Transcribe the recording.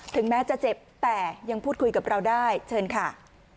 ถึงแม้จะเจ็บแต่ยังพูดคุยกับเราได้เชิญค่ะ